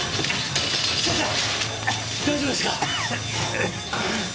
大丈夫ですか？